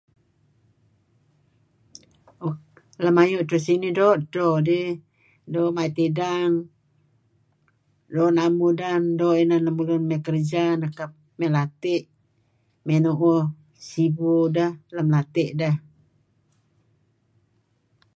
Lem ayu' edto sinih doo' dto dih doo' mait idang, doo' naem mudan, doo' inan lemulun may kerja, ay lati' may nuuh sibu deh lati' dah.